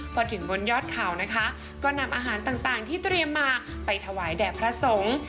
พอถึงบนยอดเขานะคะก็นำอาหารต่างที่เตรียมมาไปถวายแด่พระสงฆ์